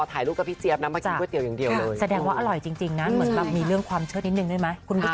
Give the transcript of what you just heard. คุณผู้ชมเห็นเบาะน้ำที่ร้านเขานะ